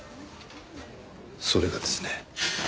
それがですね。